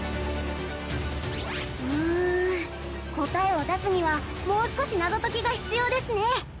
うーん答えを出すにはもう少し謎解きが必要ですね。